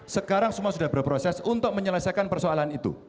sekarang semua sudah berproses untuk menyelesaikan persoalan itu